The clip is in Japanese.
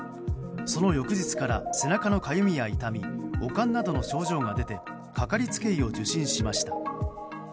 その翌日から背中のかゆみや痛み悪寒などの症状が出てかかりつけ医を受診しました。